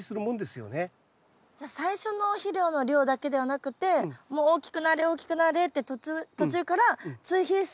じゃあ最初の肥料の量だけではなくてもう大きくなれ大きくなれってそうですね。